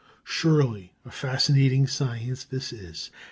Surely a fascinating science this!